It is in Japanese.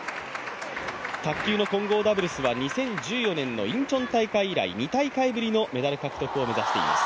卓球の混合ダブルスは２０１４年のインチョン大会以来２大会ぶりのメダル獲得を目指しています。